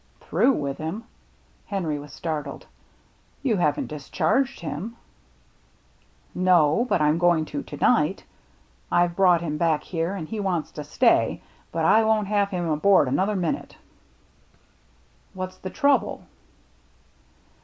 " Through with him ?" Henry was startled. " You haven't discharged him ?" "No, but I'm going to to night. I've brought him back here, and he wants to stay, but I won't have him aboard another minute." " What's the trouble